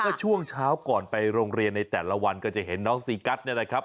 ก็ช่วงเช้าก่อนไปโรงเรียนในแต่ละวันก็จะเห็นน้องซีกัสเนี่ยนะครับ